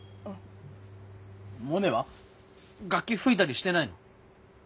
モネは楽器吹いたりしてないの？